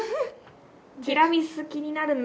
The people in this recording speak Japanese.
ティラミス気になるな。